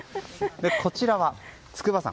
こちらは筑波山。